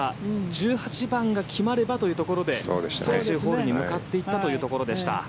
１８番が決まればというところで最終ホールに向かっていったというところでした。